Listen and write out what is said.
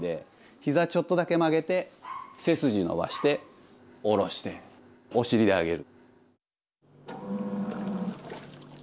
ひざちょっとだけ曲げて背筋伸ばして下ろしてお尻で上げる。